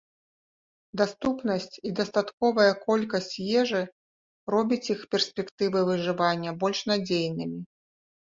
Даступнасць і дастатковая колькасць ежы робіць іх перспектывы выжывання больш надзейнымі.